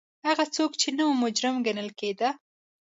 هغه څوک چې نه وو مجرم ګڼل کېده